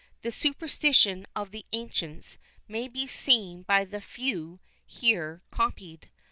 The superstition of the ancients may be seen by the few here copied.